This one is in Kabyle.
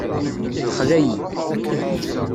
Texla-yi.